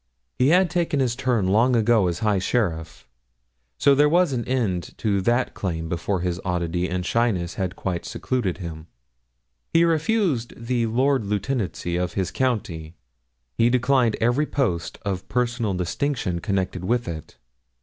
He had taken his turn long ago as High Sheriff; so there was an end of that claim before his oddity and shyness had quite secluded him. He refused the Lord Lieutenancy of his county; he declined every post of personal distinction connected with it.